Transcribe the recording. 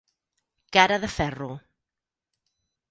Cara de ferro.